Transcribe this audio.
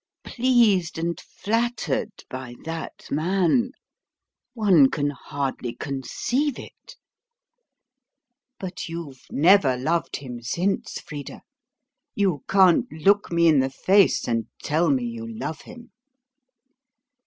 Pleased and flattered by that man! One can hardly conceive it! But you've never loved him since, Frida. You can't look me in the face and tell me you love him."